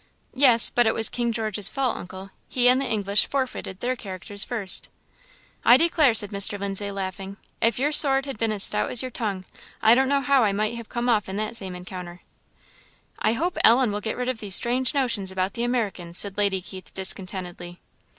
"Yes, but it was King George's fault, uncle; he and the English forfeited their characters first." "I declare," said Mr. Lindsay, laughing. "if your sword had been as stout as your tongue, I don't know how I might have come off in that same encounter." "I hope Ellen will get rid of these strange notions about the Americans," said Lady Keith, discontentedly.